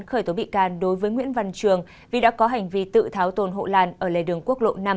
khởi tố bị can đối với nguyễn văn trường vì đã có hành vi tự tháo tồn hộ làn ở lề đường quốc lộ năm